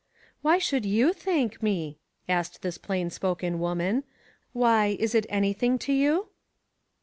" Why should you thank me ?" asked this plain spoken woman. "Why, is it anything to you?"